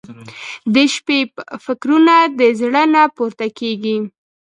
• د شپې فکرونه د زړه نه پورته کېږي.